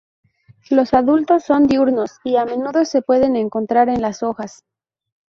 Los adultos son diurnos y a menudo se pueden encontrar en las hojas.